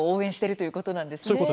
そういうことなんです。